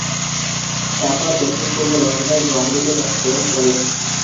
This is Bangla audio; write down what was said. টাপার দক্ষিণ পূর্ব লন্ডনের ব্রমলিতে জন্মগ্রহণ করেন।